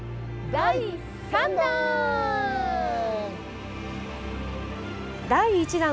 第３弾！